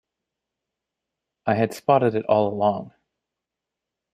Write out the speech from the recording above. I had spotted it all along.